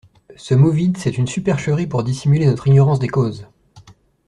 Ce mot vide c'est une supercherie pour dissimuler notre ignorance des causes!